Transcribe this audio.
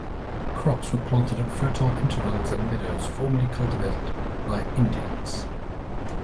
Crops were planted on fertile intervales and meadows formerly cultivated by Indians.